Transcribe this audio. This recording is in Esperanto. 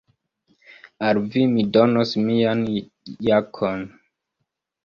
Al vi mi donos mian jakon.